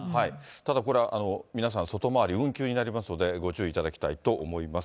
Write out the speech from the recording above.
ただこれ、皆さん、外回り運休になりますので、ご注意いただきたいと思います。